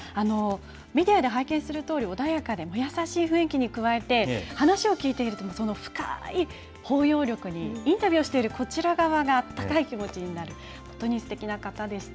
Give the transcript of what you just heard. ビデオで拝見するとおり、穏やかで優しい雰囲気に加えて、話を聞いていると、深い包容力に、インタビューしているこちら側があったかい気持ちになる、本当にすてきな方でした。